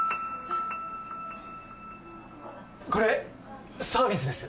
これサービスです。